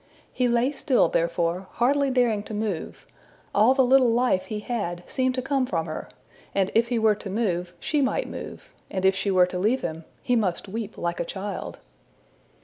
He lay still therefore, hardly daring to move: all the little life he had seemed to come from her, and if he were to move, she might move: and if she were to leave him, he must weep like a child.